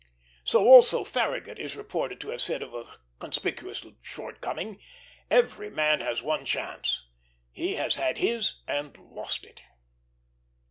So also Farragut is reported to have said of a conspicuous shortcoming: "Every man has one chance; he has had his and lost it."